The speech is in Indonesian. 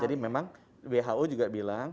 jadi memang who juga bilang